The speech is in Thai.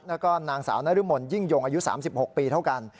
แล้วก็นางสาวนรมนยิ่งยงอายุ๓๖ปีเท่ากัน